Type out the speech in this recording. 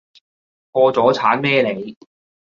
破咗產咩你？